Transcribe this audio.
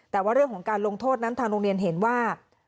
แต่ว่าเรื่องของการลงโทษนั้นทางโรงเรียนเห็นว่า